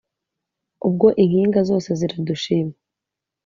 ubwo inkiga zose ziradushima